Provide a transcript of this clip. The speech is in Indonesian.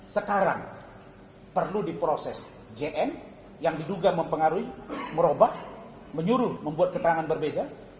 sekarang perlu diproses jn yang diduga mempengaruhi merubah menyuruh membuat keterangan berbeda